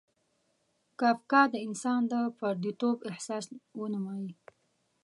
کافکا د انسان د پردیتوب احساس ونمایي.